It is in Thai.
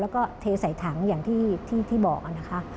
แล้วก็เทใส่ถังอย่างที่บอกนะคะ